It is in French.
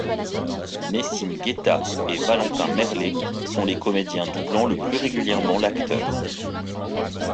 Nessym Guetat et Valentin Merlet sont les comédiens doublant le plus régulièrement l'acteur.